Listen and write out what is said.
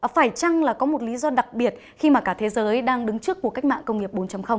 phải chăng là có một lý do đặc biệt khi mà cả thế giới đang đứng trước cuộc cách mạng công nghiệp bốn